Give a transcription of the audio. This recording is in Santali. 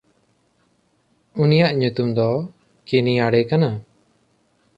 ᱩᱱᱤᱭᱟᱜ ᱧᱩᱛᱩᱢ ᱫᱚ ᱠᱤᱱᱭᱟᱰᱟ ᱠᱟᱱᱟ᱾